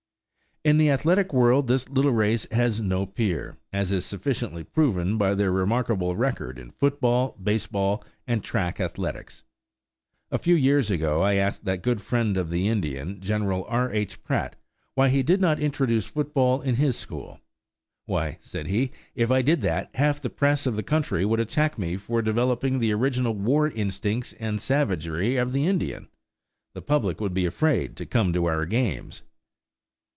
In the athletic world this little race has no peer, as is sufficiently proven by their remarkable record in football, baseball, and track athletics. A few years ago I asked that good friend of the Indian, Gen. R. H. Pratt, why he did not introduce football in his school. "Why," said he, "if I did that, half the press of the country would attack me for developing the original war instincts and savagery of the Indian! The public would be afraid to come to our games!"